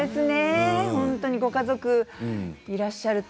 本当にご家族がいらっしゃると。